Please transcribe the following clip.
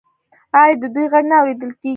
آیا د دوی غږ نه اوریدل کیږي؟